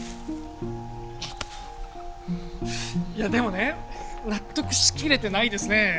いやでもね納得し切れてないですね。